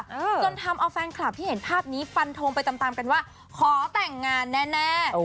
จนทำเอาแฟนคลับที่เห็นภาพนี้ฟันทงไปตามตามกันว่าขอแต่งงานแน่แน่